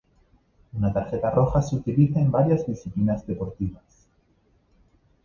Una tarjeta roja se utiliza en varias disciplinas deportivas.